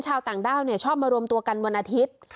ชาวต่างด้าวชอบมารวมตัวกันวันอาทิตย์